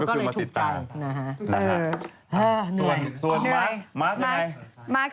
อืมเพิ่งมาติดตาม